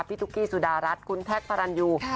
พิตุกี้สุดารัสคุณแท็กพารันยู